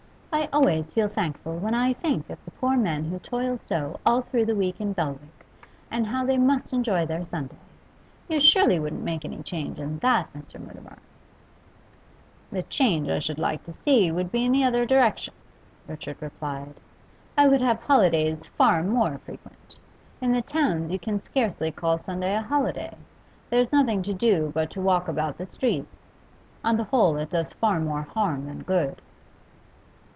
'I always feel thankful when I think of the poor men who toil so all through the week in Belwick, and how they must enjoy their Sunday. You surely wouldn't make any change in that, Mr. Mutimer?' 'The change I should like to see would be in the other direction,' Richard replied. 'I would have holidays far more frequent. In the towns you can scarcely call Sunday a holiday. There's nothing to do but to walk about the streets. On the whole it does far more harm than good.